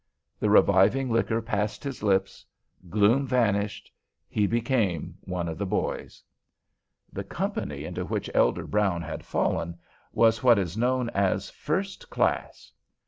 The reviving liquor passed his lips. Gloom vanished. He became one of the boys. The company into which Elder Brown had fallen was what is known as "first class."